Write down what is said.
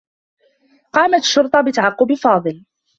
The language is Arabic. قامت الشّرطة بتعقّب فاضل.